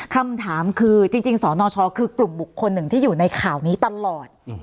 คำถามคือจริงสนชคือกลุ่มบุคคลหนึ่งที่อยู่ในข่าวนี้ตลอด